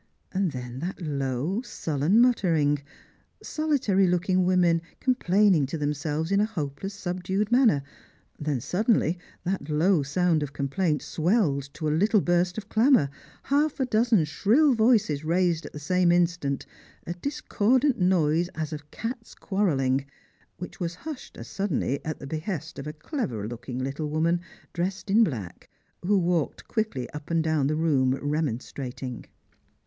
And then that low sullen muttering — solitary looking women complaining totliem sclves in a hopeless subdued manner ; then suddenly that low sound of complaint swelled to a little Ixirst of clamour, half a dozen shrill voices raised at the same instant, a discordant noise as of cats quarrelling, which was hushed as suddenly at the behest of a clever looking little woman, dressed in black, who walked quickly up and down the room remonstrating.